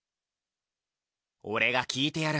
俺が聞いてやる。